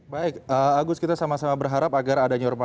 baik agus kita sama sama berharap agar ada nyuruh nyuruh pak